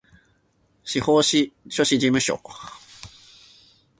司法書士事務所